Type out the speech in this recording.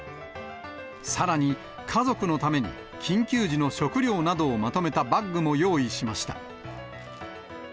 さらに家族のために、緊急時の食料などをまとめたバッグも用意しました。